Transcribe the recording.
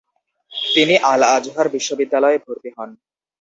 তিনি Al Azhar বিশ্ববিদ্যালয়ে ভর্তি হন।